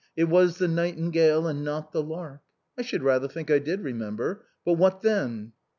It was the nightingale and not the lark." I should rather think I did remember. But what then